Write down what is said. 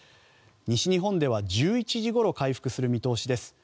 西日本では１１時ごろ回復する見通しです。